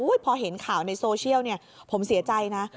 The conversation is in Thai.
คือพอเห็นข่าวในโซเชียลเนี่ยผมเสียใจนะ